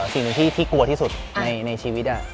สิ่งที่กลัวที่สุดในชีวิตอ่ะ